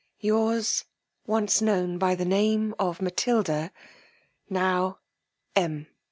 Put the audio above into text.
Yours, once known by the name of MATILDA, now M E."